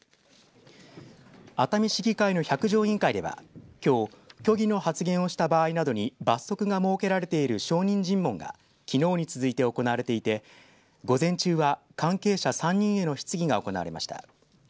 熱海市議会の百条委員会ではきょう、虚偽の発言をした場合などに罰則が設けられている証人尋問がきのうに続いて行われていて午前中は関係者３人への質疑が行われました。